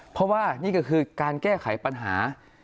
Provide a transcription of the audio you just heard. เพราะว่านี่ก็คือการแก้ไขปัญหา